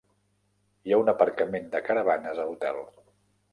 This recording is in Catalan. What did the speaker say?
Hi ha un aparcament de caravanes a l'hotel.